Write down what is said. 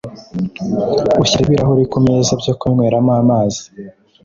Ushyire ibirahuri kumeza byo kunyweramo amazi